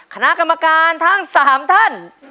คณะกรรมการทั้ง๓ท่าน